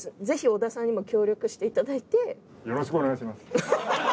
ぜひ小田さんにも協力していただいて。